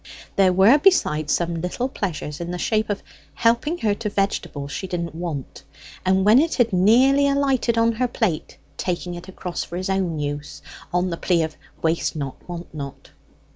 There were, besides, some little pleasures in the shape of helping her to vegetable she didn't want, and when it had nearly alighted on her plate taking it across for his own use, on the plea of waste not, want not.